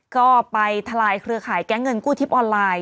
ก็ไปทลายเครือข่ายแก๊งเงินกู้ทิพย์ออนไลน์